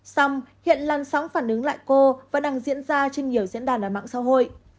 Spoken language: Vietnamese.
xong hiện làn sóng phản ứng lại cô vẫn đang diễn ra trên nhiều diễn đàn ở mạng xã hội